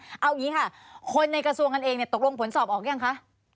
เอาอย่างนี้ค่ะคนในกระทรวงกันเองเนี่ยตกลงผลสอบออกยังคะ